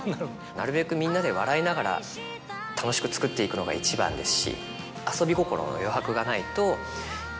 なるべくみんなで笑いながら楽しく作っていくのが一番ですし。